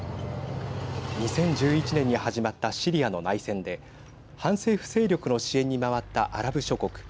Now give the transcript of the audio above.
２０１１年に始まったシリアの内戦で反政府勢力の支援に回ったアラブ諸国。